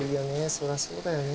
そりゃそうだよね。